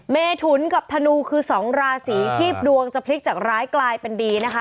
เมถุนกับธนูคือ๒ราศีที่ดวงจะพลิกจากร้ายกลายเป็นดีนะคะ